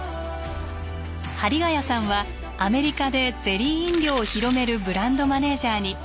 針ヶ谷さんはアメリカでゼリー飲料を広めるブランドマネージャーに。